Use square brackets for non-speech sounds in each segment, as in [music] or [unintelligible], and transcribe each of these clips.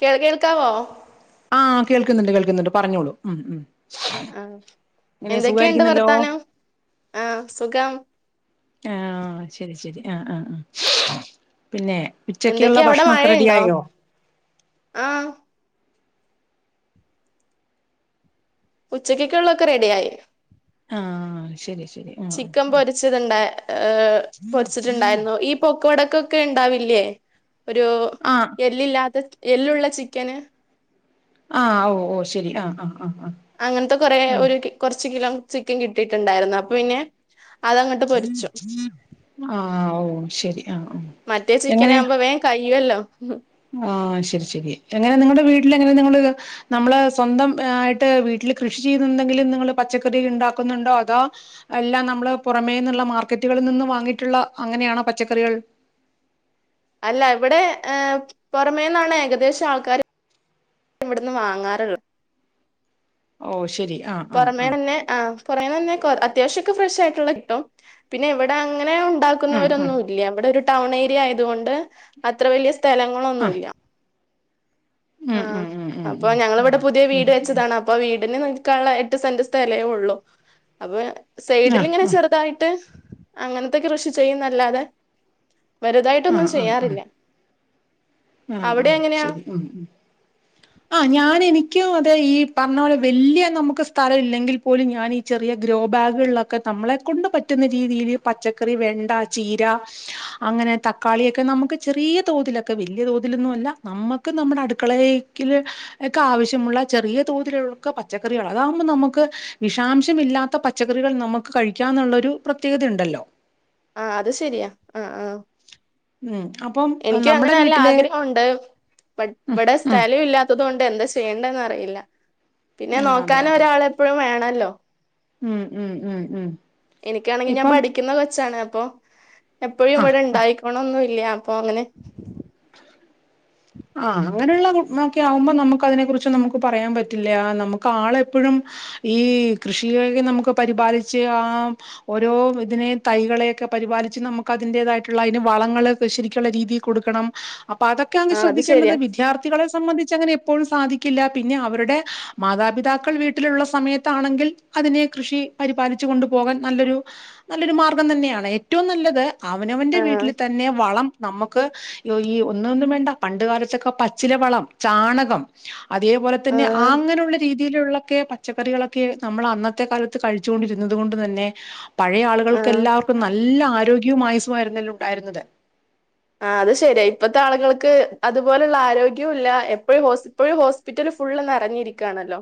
കേൾക്കാവോ ആ കേൾക്കുന്നുണ്ട് കേൾക്കുന്നുണ്ട് പറഞ്ഞോളൂ ആ ആ എങ്ങനെ എന്തൊക്കെ ഉണ്ട് സുഖായിരിക്കുന്നല്ലോ വർത്താനം ആ സുഖം ആ ആ പിന്നെ എന്തൊക്ക ഉച്ചക്കുള്ള അവിടെ മഴ ഭക്ഷണൊക്കെ ഉണ്ടോ റെഡിയായോ ആ ഉച്ചക്കക്ക് ഉള്ളതൊക്കെ റെഡി ആയി ആ ശരി ശരി ആഹ് ചിക്കൻ പൊരിച്ചദ് ഉണ്ട ഹേ പൊരിച്ചിട്ടുണ്ടായിരുന്നു ഈ പോക്കവടക്കേ ക്കെ ഉണ്ടാവില്ലേ ഒരു ആഹ് എളില്ലാത്ത ചി എല്ലുള്ള ചിക്കൻ അ ഓ ശരി അ അ അങ്ങത്ത കേറെ ഒരു ചോരച് കിലോ ചിക്കൻ കിട്ടിട്ടുണ്ടായിരുന്ന അപ്പ പിന്നെ അതങ്ങോട്ട് പൊരിച്ചു അ ആ ഓ ശരി ആഹ് ആഹ് മറ്റേ ചിക്കാനാവുമ്പോ വേം കഴി യ്യൊല്ലോ ആ ശരി ശരി യെങ്ങനെ നിങ്ങളുടെ വിട്ടിൽ യെങ്ങനെ നമ്മൾ സ്വന്ധം ആയിട്ട് വിട്ടിൽ കൃഷി ചെയ്‌ത് എന്തെങ്ങിലും നിങ്ങൾ പച്ചക്കറി ഉണ്ടാക്കുന്നുണ്ടോ അതെ അല്ല നമ്മൾ പുറമെന്നുള്ള മാർക്കറ്റുകളിൽ നിന്ന് വാഗിട്ടുള്ള അങ്ങനെ ആണോ പച്ചക്കറികൾ അല്ല ഇവിടെ ഹേ പുറമെന്നാണ് യെഖദേശം ആൾക്കാർ ഇവിന്ന് വാങ്ങർ ഓ ശരി ആ ആ ആ പുറമെനെ അ നെന്നെ കെർ അത്യാവശ്യക്കെ ഫ്രെസായിട്ടുള്ളകിട്ടും പിന്നെ ഇവിടെ അ ങ്ങനെ ഉം ഉം ഉണ്ടാക്കുന്നോറന്നുല്ല ഇവിടെ ഒരു ടി ടാൺ ഏരിയ അയാധൊണ്ട് അത്ര വലിയ സ്ഥ ആ ലങ്ങളൊന്നുല്ല ആ ഉം ഉം ഉം അപ്പൊ ഉം ഞങ്ങളവിടെ പുതിയ ഉം വീട് വെച്ചതാണ് അപ്പൊ വീട് ന് നിൽക്കാനുള്ള ഏട്ട് സെന്റ് സ്ഥലെ ഒള്ളു അപ്പൊ സൈഡ്ൽ ഉം ഇങ്ങനെ ഉം ആ ആ ചെറുതായിട്ട് അങ്ങൻത്തെ കൃഷി ചെയ്യും ന്നല്ലാദേ വലുതായിട്ടൊന്നും ചെയ്യാറില്ല അ അ അവിടെ എങ്ങനെയാ ശരി അ അ അഞാൻ എനിക്കും അതെ ഇ പരന്നപോലെ വല്യ നമ്മക് സ്ഥലം ഇല്ലങ്കിൽ പോലും ഞാനി ചെറിയ ഗ്രോബാഗിൽ ഉള്ളക്കെ നമ്മളെ കൊണ്ട് പറ്റുന്ന രീതിയിൽ പച്ചക്കറി വെണ്ട ചീര അങ്ങനെ തക്കാളി ഒക്കെ നമ്മുക്ക് ചെറിയ തോതിലൊക്കെ വീൽ വലിയ തോതിലൊന്നും അല്ല നമ്മക് നമ്മളെ അടുക്കളെക്കിൽക്ക്‌ ആവിശ്യമുള്ള ചെറിയ തോതിലുക്ക പച്ചക്കറികൾ അതാവുബേ നമ്മുക്ക് വിഷാംശം ഇല്ലാത്ത പച്ചക്കറികൾ നമ്മക് കഴിക്കാം അത് ശരിയ അ അ ഉം അപ്പം എനിക്ക് അങ്ങനെ നമ്മുടെ നല്ല വീട്ടിലെ ആഗ്രഹം ഉണ്ട് ബട്ട്‌ ഇവിടെ ഉം സ്ഥലം ഇല്ലത്തധോണ്ട ണ്ട് എന്താ ചെയ്യണ്ട് എന്നറിയില്ല പിന്നെ ആ നോക്കാൻ ഒരാൾയെപ്പയും വേണ ലോ മ് മ് മ് മ് എനിക്കാണെങ്കി ഞാൻ പഠിക്കുന്ന കൊച്ചാണ് ഓ എപ്പയും ആ ഇവിട ആ ഇണ്ടായിക്കോണോന്നു ഇല്യ അപ്പൊ അങ്ങനെ ആ അങ്ങനെയുള്ള നോക്കിയ ആകുമ്പ നമക്ക് അതിനെ കുറിച്ച് നമ്മക്ക് പറയാൻ പറ്റില്ല നമക്ക് ആളെപ്പഴും ഈ കൃഷിയൊക്കെ നമക്ക് പരിപാലിച്ച് ആ ഓരോ ഇതിനേം തൈകളെക്കെ പരിപാലിച്ച് നമ്മക്ക് അതിന്റെതായിട്ടുള്ള അയിന് വളങ്ങള് കൃഷിരിക്കുള്ള രീതി കൊടുക്കണം അപ്പ അതക്കെ ആ അത് ശ്രെദ്ധിക്കേണ്ടത് ശരിയാ വിദ്യാർത്ഥികളെ സംബന്ധിച്ച് അങ്ങനെ എപ്പോഴും സാധിക്കില്ല പിന്നെ അവരുടെ മാതാപിതാക്കൾ വീട്ടിലുള്ള സമയത്താണെങ്കിൽ അതിനെ കൃഷി പരിപാലിച്ചു കൊണ്ടുപോകാൻ നല്ലൊരു നല്ലൊരു മാർഗം തന്നെയാണ് ഏറ്റവും നല്ലത് അവനവന്റെ ആ വീട്ടില് തന്നെ വളം നമ്മക്ക് ഈ ഒന്നു ഒന്നും വേണ്ട പണ്ട് കാലത്തൊക്ക പാച്ചിലവളം ചാണകം [unintelligible] അതേപോല ആ തന്നെ അങ്ങനുള്ള രീതിയിലുള്ളൊക്ക പ പച്ചക്കറികളൊക്കെ നമ്മള് അന്നത്തെ കാലത്ത് കഴിച്ചു കൊണ്ടിരുന്നത് കൊണ്ടുതന്നെ പഴയ ആ ആളുകൾക്ക് എല്ലാവർക്കും നല്ല ആരോഗ്യ [unintelligible] ആയിരുന്നില്ല ഉണ്ടാരുന്നത് ആ അത് ശെരിയാ ഇപ്പത്തെ ആളുകൾക്ക് അതുപോലുള്ള ആരോഗ്യവും ഇല്ല എപ്പോഴും ഹോസ് ഇപ്പോഴും ഹോസ്പിറ്റൽ ഫുള്ള് നെറഞ്ഞിരിക്കുവാണല്ലോ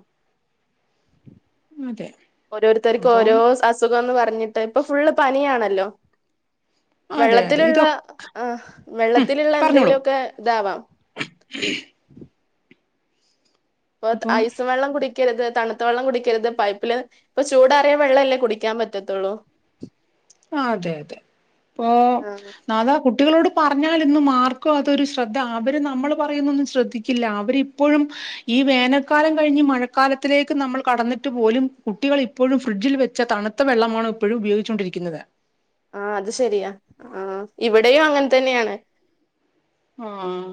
അതെ ഓരോരുത്തരുക്ക് അപ്പൊ ഓരോ അസുഖം എന്ന് പറഞ്ഞിട്ട് ഇപ്പ ഫുള്ള് പനിയാണെ ല്ലോ അതെ അതെ വെള്ളത്തിലുള്ള ഇതൊ ആ വെള്ളത്തിലുള്ള പറഞ്ഞോളൂ എന്തെലോക്കെ താവാം. പ്പോ അപ്പം ഐസ് വെള്ളം കുടിക്കരുത് താണു ത്ത വെള്ളം കുടിക്കരുത് പൈപ്പിലെ ഇപ്പ ചൂടാറിയ വെള്ളല്ലേ കുടിക്കാൻ പറ്റത്തൊള്ളൂ. ആ അതെ അതെ ഇപ്പൊ ആ [unintelligible] കുട്ടികളോട് പറഞ്ഞാലൊന്നും ആർക്കും അതൊരു ശ്രെദ്ധ അവര് നമ്മള് പറയുന്നതൊന്നും ശ്രദ്ധിക്കില്ല അവര് ഇപ്പോഴും ഈ വേനൽക്കാലം കഴിഞ്ഞ് മഴക്കാലത്തിലേക്ക് നമ്മൾ കടന്നിട്ടുപോലും കുട്ടികൾ ഇപ്പഴും ഫ്രിഡ്ജിൽ വെച്ച തണുത്ത വെള്ളമാണ് ഇപ്പഴും ഉപയോഗിച്ചോണ്ടിരി ക്ക്ന്നത് ആ അത് ശരിയാ ഇവിടേയും അങ്ങനെ തന്നെയാണ് ആ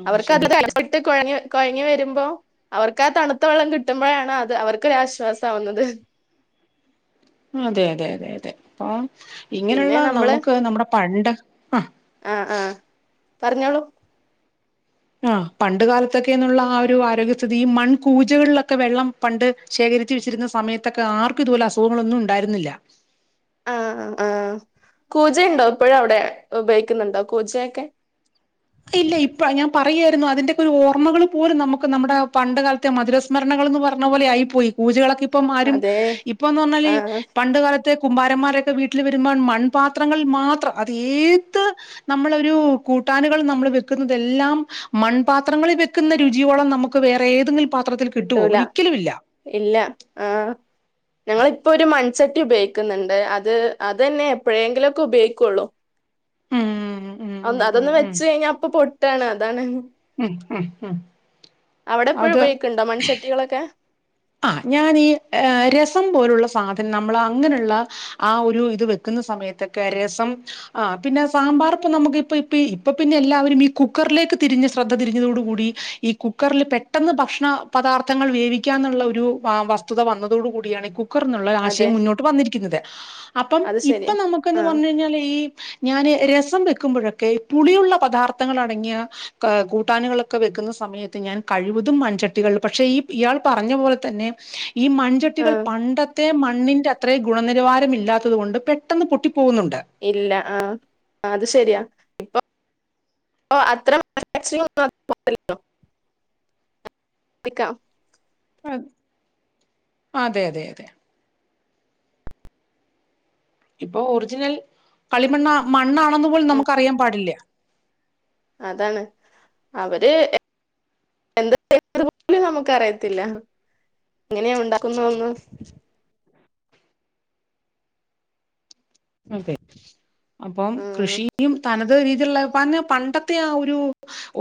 അവർക്ക് ശരി [unintelligible] കൊഴഞ്ഞു കൊഴഞ്ഞ് വരും ന്താ അവർക്ക് ആ തണുത്ത വെള്ളം കിട്ടുമ്പഴാണ് അത് അവർക്ക് ഒരു ആശ്വാസാവുന്നത് [unintelligible] അതെ അതെ അതെ അതെ പ്പം പിന്നെ ഇങ്ങനൊള്ള നമ്മള് നമുക്ക് നമ്മുടെ പണ്ട് അ ആഹ് ആഹ് പറഞ്ഞോളൂ അ പണ്ട് കാലത്തൊക്കെനുള്ള ആ ഒരു ആരോഗ്യ സ്ഥിതിയും ഈ മൺകൂജകളിലൊക്കെ വെള്ളം പണ്ട് ശേഖരിച്ചു വെച്ചിരുന്ന സമയത്തൊക്കെ ആർക്കും ഇതുപോലെ അസുഖങ്ങൾ ഒന്നും ഉണ്ടായിരുന്നില്ല ആ ആ ആ കൂജ ഉണ്ടൊ ഇപ്പഴും അവിടെ ഉപയോഗിക്കുന്നുണ്ടോ കൂജേക്കെ ഇല്ല ഇപ്പ ഞാൻ പറയേരുന്നു അതിന്റൊക്കെ ഒരു ഓർമ്മകള് പോലും നമുക്ക് നമ്മടെ പണ്ട് കാലത്തെ മധുരസ്മരണകൾ എന്ന് പറഞ്ഞപോലെ ആയിപോയി കൂജകളൊക്കെ ഇ ഇപ്പമാരും അതെ ഇപ്പൊന്ന്‌ പറഞ്ഞാല് ആഹ് പണ്ട് കാ---ത്ത് ത്തെ കുമ്പാരന്മാരൊക്കെ വീട്ടിൽ വരുമ്പോൾ മൺപാത്രങ്ങളിൽ മാത്രം അത് ഏത് നമ്മളൊരു കൂട്ടാന് ങ്ങള് നമ്മള് വെക്കുന്നതെല്ലാം മൺ പാത്രങ്ങളിൽ വെക്കുന്ന രുചിയോളം നമ്മക്ക് വേറെ ഏത് [inaudible] പാത്രത്തിൽ കിട്ടുവോ കിട്ടൂല ഒരിക്കലുവില്ല ഞങ്ങൾ ഇപ്പൊ ഒര് മൺചട്ടി ഉപയോഗിക്കുന്നുണ്ട് അത് അതെന്നെ എപ്പഴെങ്കിലൊക്കെ ഉപയോഗിക്കൊള്ളു ഉം ഉം ഉം അന് ഉം അതൊന്ന് ഉം വെച്ച് കഴിഞ്ഞ അപ്പൊ പൊട്ടാണ് അതാണ് ഉം ഉം അവ്ടെ പ്പഴും ഉപയോഗിക്ക്ണ്ടോ മൺചട്ടികളൊക്കെ ആഹ് ഞാനീ രസം പോലുള്ള സാധനം നമ്മൾ അങ്ങനുള്ള ആ ഒര് ത് വെക്കുന്ന സമയത്തൊക്കെ രസം ആ പിന്നെ സാമ്പാർ പ്പോ നമുക്ക് പ്പ പ്പി പ്പപ്പിന്നെ എല്ലാവരും ഈ കുക്കർലേക്ക് തിരിഞ്ഞ് ശ്രദ്ധ തിരിഞ്ഞതോട്‌ കൂടി ഈ കുക്കർല് പെട്ടെന്ന് ഭക്ഷണം പധാർത്ഥങ്ങൾ വേവിക്ക ന്നുള്ളഒരു രു വ വസ്തുത വന്നതോട് കൂടിയാണ് കു ക്കർ ന്നുള്ള അതെ ആശയം മുന്നോട്ട് വന്നിരിക്കുന്നത് അപ്പം അത് ഇപ്പൊ ശരിയാ നമുക്ക് ന്ന് ആഹ് വന്ന് കഴിഞ്ഞാൽ ഈ ഞാന് രസം വെക്കുംപൊഴൊക്കെ പുളിയുള്ള പദാർത്തങ്ങളടങ്ങിയ ക കൂട്ടാനുകളൊക്കെ വെക്കുന്ന സമയത്ത് ഞാന് കഴിവതും മൺചട്ടികളിൽ പക്ഷെ ഈ ഇയാൾ പറഞ്ഞ പോൽ തന്നെ ഈ മൺചട്ടികൾ ആഹ് പണ്ടത്തെ മൺ ണ്ണിന്റത്രേം ഗുണനിലവാരമില്ലാത്തത് കൊണ്ട് പെട്ടെന്ന് പൊട്ടി ഇല്ല ആ അത്ശെരിയാ ഇപ്പൊ അത്ര [unintelligible] [unintelligible] പിക്കാം ഹ അതെയതെയതെ ഇപ്പൊ ഒറിജിനൽ കളിമണ്ണാ മണ്ണാ ന്ന് പോലും നമുക്കറിയാൻപാടില്ല്യ അതാണ് അവര് എന്ത് [unintelligible] പോലും നമുക്കറിയത്തില്ല എങ്ങനെ ഉണ്ടാക്കുന്നതൊന്നും അതേ അപ്പൊം ഉം കൃഷിയും തന ത് രീതിള്ള പഞ് പണ്ടത്തെ ആ ഒരു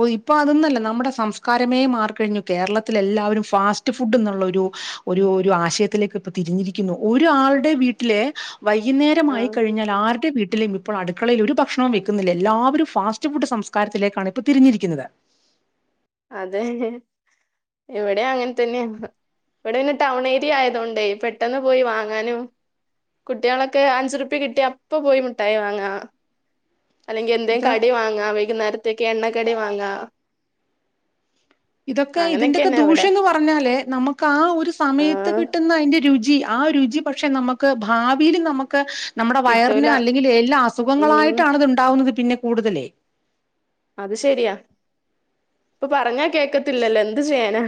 ഓ ഇപ്പൊ അതൊന്നല്ല നമ്മുടെ സംസ്കാരമെ മാറിക്കഴിഞ്ഞു. കേരളത്തിലെല്ലാവരും ഫാസ്റ്റ് ഫുഡ്‌ ന്നുള്ള ഒരു ഒരു ഒരു ആശയത്തിലേക്ക്പ്പോ തിരിഞ്ഞിരിക്കുന്നു. ഒരാള്ടെയും വീട്ടിലെ വൈയ്ന്നേരമായി ആഹ് കഴിഞ്ഞാൽ ആര്ടെ വീ ട്ടിലിം ഇപ്പൊ അടുക്കളേൽ ഒരുഭക്ഷണോം വിക്കുനില്ല. എല്ലാവരെ ഫാസ്റ്റ് ഫുഡ്‌ സംസ്കാരത്തേക്കാനിപ്പോ തിരിഞ്ഞിരിക്കുന്നത്. അതേ ഇവിട്യേ അങ്ങൻ തന്ന്യാ. വടെ പിന്നെ ടൌൺ ഏരിയ ആയതോണ്ടേ പെട്ടെന്ന് പോയി വാങ്ങാനും കുട്ട്യാളൊക്കെ അഞ്ചുർപ്യ കിട്ട്യാ അപ്പൊ പോയി മുട്ടായി വാങ്ങാ. അല്ലെങ്കി എന്തേം ഇത് കടി വാങ്ങാ വൈകുന്നേര തെക്കെ എണ്ണക്കടി വാങ്ങാ. ഇതൊക്കെ ഇതിന്റൊക്കെ അങ്ങനെയൊക്കെന്നെ ഇവിടെ ദൂഷ്യം ന്ന് പറഞ്ഞാല് നമ്മക്കാ ഒരു സമയത്ത് ആഹ് കിട്ടുന്ന അയ്‌ന്റെ രുചി. ആ രുചി പക്ഷെ നമ്മുക്ക് ഭാവീൽ നമ്മുക്ക് നമ്മുടെ വയറിന് കിട്ടൂല അല്ലെങ്കിൽ എല്ല ഉം അസുഖങ്ങളായിട്ടാണിത് ണ്ടാവുന്നത്. പിന്നെ കൂടുതലേ അത് ശെര്യാ പ്പോ പറഞ്ഞ കേക്കത്തില്ലല്ലോ എന്ത് ചെയ്യാനാ.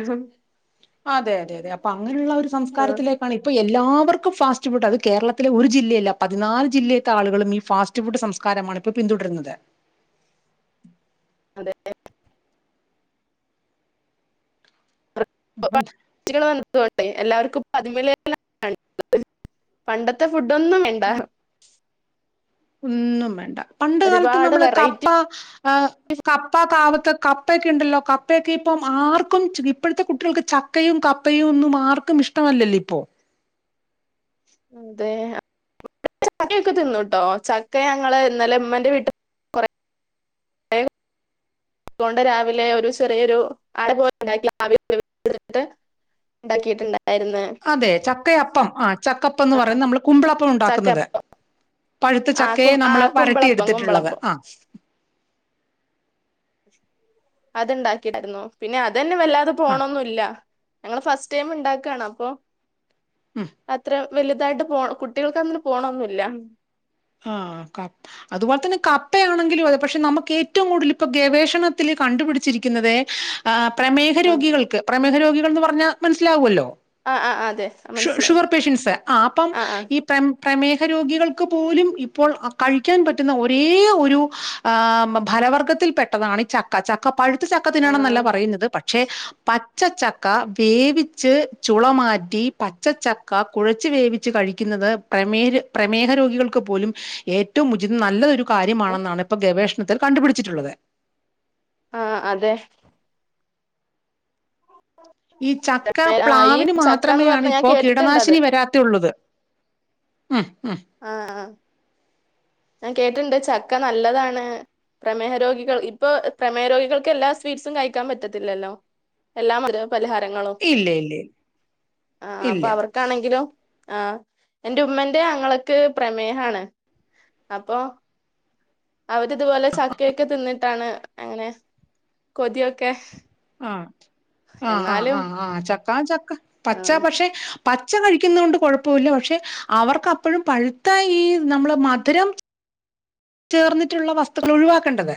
അതെ യതെ യതെ അപ്പൊ അങ്ങനുള്ള ആ ഒരു ആഹ് സംസ്കാരത്തിലേക്കാണ് ഇപ്പൊ എല്ല ല്ലാവർക്കും ഫാസ്റ്റ് ഫുഡ്‌ അത് കേരളത്തിലെ ഒര് ജില്ലയല്ല പതിനാല് ജില്ലേതെ ആളുകളും ഈ ഫാസ്റ്റ്ഫൂഡ് സംസ്കാരമാണ് പിന്തുടരുന്നത്. അതെ [unintelligible] അപ്പം [unintelligible] തെ എല്ലാവർഅതിൻ മേലെ അല്ല പണ്ടത്തെ ഫു ടൊന്നും വേണ്ട ഒന്നുംവേണ്ട പണ്ട് കാലത്ത് ഒരുപാട് നമ്മള് കപ്പ വെറൈറ്റി അഹ് കപ്പ കവത്ത് കപ്പെയ്ക്കണ്ടല്ലോ കപ്പെയ്കിപ്പം ആർക്കും ചിൽ ഇപ്പൾത്തെ കുട്ടികൾക്ക് ചക്കയും കപ്പയും ഒന്നും ആർക്കും ഇഷ്ട്ട വല്ലല്ലോ ഇപ്പൊ തെ പു ചാക്കോയൊക്കെ തിന്നും ട്ടോ ചക്ക ഞങ്ങള് ഇന്നലെ ഉമ്മന്റെ വീട്ട് കൊറേ ഏ തൊണ്ട രാവിലെ ഒരു ചെറിയൊരു അട പോലെ ഉണ്ടാക്കി ആ വി വെ ത്ത് ഇണ്ടാക്കിട്ട്ണ്ട അതെ ചക്കയപ്പം ആ ചക്കപ്പംന്ന് പറയും നമ്മള് കുമ്പളപ്പം ഉണ്ടാക്കുന്നത് ചക്കപ്പം പഴുത്ത ആ കു ചക്കയെ ആ നമ്മള് വരട്ടി കുമ്പളപ്പം എടുത്തിട്ടുള്ളത് കുമ്പളപ്പം ആഹ് അത്ണ്ടാക്കിണ്ടാർന്നു പിന്നേ അത് തന്നെ വല്ലാതെ ആഹ് പോണോന്നില്ല നിങ്ങള് ഫസ്റ്റ് ടൈം ഇണ്ടാക്കേണപ്പം ഉം അത്രേം വലുതായിട്ട് പൊ കുട്ടികൾക്കങ്ങട് പോണോന്നില്ല ആഹ് ക അത് പോലെ തന്നെ കപ്പയാണെങ്കിലും അതെ പഷേ നമക്കേറ്റവും കൂടല് ഇപ്പ ഗവേഷണത്തില് കണ്ട് പിടിച്ചിരിക്കുന്നതെ ആഹ് പ്രേമേഹ ആ രോഗികൾക്ക് പ്രേമേഹരോഗി കൾന്ന് പറഞ്ഞ മനസിലാവോലൊ ആ ആ, അതെ ശു മനസ്സിലായി ശുഗർ പേഷ്യൻസ് ആഹ് അപ്പം ആ ആ ഈ പെമ് പ്രേമേഹ രോഗികൾക്കും പോലും ഇപ്പോൾ കഴിക്കാൻ പറ്റുന്ന ഒരേഒരു ആ ബല വർഗ്ഗത്തിൽ പെട്ടതാണ് ചക്ക ചക്ക പഴുത്ത് ചക്ക ആ തിന്നണംന്നല്ല പറയുന്നത് പക്ഷെ പ ച്ച ച്ചക്ക വേവിച്ച് ചുളമാറ്റി പച്ച ച്ചക്ക കുഴച്ച് വേവിച്ച് കഴിക്കുന്നത് പ്രേമേര് പ്രേമേഹരോഗികൾ ക്ക്‌ പോലും ഏറ്റോം ഉചിതം നല്ലഒരു കാര്യമാണന്നാണ് ഇപ്പ ഗവേഷ തർ കണ്ട് പിടിച്ചിട്ടുള്ളത് ആഹ് അതെ ഈ ച്ചക്ക ആഹ് ഈ പ്ലാവിന് ചക്കാന്ന് മാത്രമേ പറഞ്ഞ ഞാൻ ആണിപ്പൊ കേട്ടിട്ടുണ്ടത് കീടനാശിനി വരാത്തുള്ളത് ഉം ഉം ആ ആ കേട്ട്ണ്ട് ച്ചക്ക നല്ലതാണ് പ്രേമേഹ രോഗികൾ ഇപ്പൊ പ്രേമേഹ രോഗികൾക്ക് എല്ലാ സ്വീറ്റ്സും കയ്ക്കാൻ പറ്റത്തില്ലല്ലോ പലഹാരങ്ങളും ഇല്ല ഇല്ല അപ്പൊ ഇല്ല അവർക്കാണെങ്കിലോ ആഹ് എന്റുമ്മന്റെ ആങ്ങളക് ക്ക്‌ പ്രേമേഹാണ് അപ്പൊ അവരിത് പോലെ ചക്കൊക്കെ തിന്ന് ട്ടാണ് അങ്ങനെ കൊതിയൊക്കെ ആഹ് ആ ആ എന്നാലും ആ ആ ചകാചക് പച്ചാ ആഹ് പക്ഷെ പച്ച കഴിക്കുന്നകൊണ്ട് കൊഴപ്പവില്ല ക്ഷേ അവർക്കപ്പഴും പഴുത്ത ഈ നമ്മടെ മധുരം ചേർന്നിട്ടൊള്ള വസ്തുക്കളൊഴുവാക്കണ്ടത്.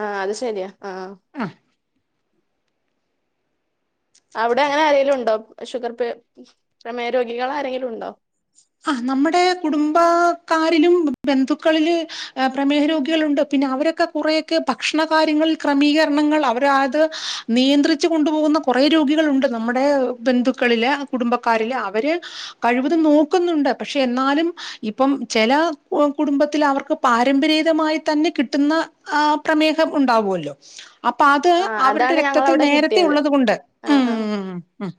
ആ അത് ശരിയാ. ആഹ് അ അവിടങ്ങനെ ആരേലുവൊണ്ടോ? ഷുഗർപേ പ്രമേഹരോഗികളാരെങ്കിലുണ്ടോ? ആ നമ്മടെ കുടുംബാക്കാരിലും ബന്ധുക്കളില് അ പ്രമേഹാരോഗികളുണ്ട് പിന്നെ അവരൊക്കെ കുറെയൊക്കെ ഭക്ഷണകാര്യങ്ങളിൽ ക്രമീകരണങ്ങൾ അവരാതു നിയന്ത്രിച്ചുകൊണ്ടുപോകുന്ന കൊറേ രോഗികളുണ്ട് നമ്മടെ ബന്ധുക്കളില് കുടുംബക്കാരില് അവര് കഴിവതും നോക് ക്കുന്നുണ്ട് പക്ഷെ എന്നാലും ഇപ്പം ചെല കുടുംബത്തിലവർക്കു പാരമ്പരീതമായി തന്നെ കിട്ടുന്ന ആ പ്രമേഹം ഉണ്ടാകുവല്ലോ. അപ്പ അത് ആഹ് അവരുടെ അതാണ് രക്തത്തിൽ ഞങ്ങളവിടെ കിട്ടിയത് നേരത്തെയുള്ളതുകൊണ്ട്. ആഹ് ഉം ആഹ് ഉം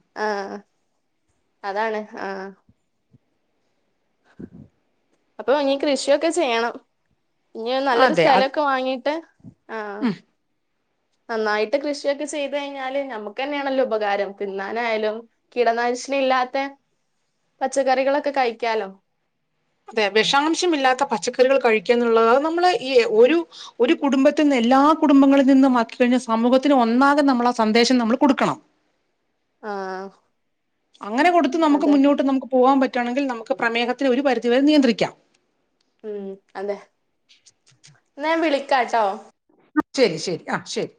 ആ അപ്പ ഇനി കൃഷിയൊക്കെ ചെയ്യണം. ഇനിയൊ നല്ലൊരു സ്ഥലക്കെ വാങ്ങീട്ട് ഉം നന്നായിട്ടു കൃഷിയൊക്കെ ചെയ്തുകഴിഞ്ഞാലു നമുക്കുന്നെയാണല്ലോ ഉപകാരം തിന്നാനായാലും കീടനാശിനി ഇല്ലാത്ത പച്ചക്കറികളൊക്കെ കഴിക്കാലോ. അതേ വിഷാമ്ശമില്ലാത്ത പച്ചക്കറികള് കഴിക്കുകാന്നുള്ളത് നമ്മള് ഈ ഒരു കുടുംബത്തിന്ന് എല്ലാ കുടുംബങ്ങളിൽ നിന്നുമാക്കി കഴിഞ്ഞാൽ സമൂഹത്തിനൊന്നാകെ നമ്മളാ സന്ദേശം നമ്മള് കൊടുക്കണം. ആ അങ്ങനെ കൊടുത്തു നമുക്കു മുന്നോട്ടു നമുക്ക് പോകാൻ പറ്റുവാണെങ്കിൽ നമ് ക്ക് പ്രമേഹത്തിനെ ഒരു പരിധി വരെ നിയന്ത്രിക്കാം. ഉം അതേ. ന്നാ ഞാൻ വിളിക്കാട്ടോ. ശരി ശരി ആ ശരി.